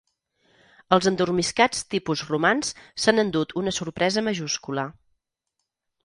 Els endormiscats tipus romans s'han endut una sorpresa majúscula.